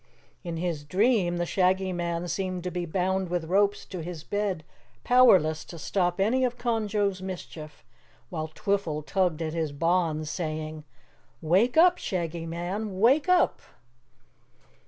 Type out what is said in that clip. In his dream the Shaggy Man seemed to be bound with ropes to his bed, powerless to stop any of Conjo's mischief, while Twiffle tugged at his bonds saying, "Wake up, Shaggy Man, wake up!"